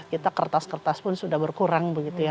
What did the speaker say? kita kertas kertas pun sudah berkurang begitu ya